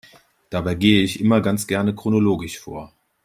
Dabei gehe ich immer ganz gerne chronologisch vor.